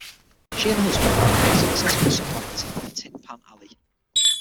She and her husband became a successful songwriting team for Tin Pan Alley.